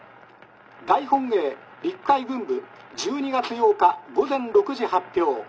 大本営陸海軍部１２月８日午前６時発表。